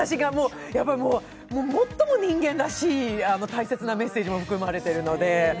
最も人間らしい大切なメッセージも含まれているので。